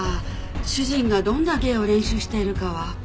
主人がどんな芸を練習しているかは。